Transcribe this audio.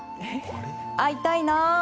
会いたいな。